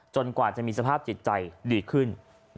กว่าจะมีสภาพจิตใจดีขึ้น